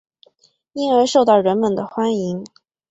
因而受到人们的欢迎。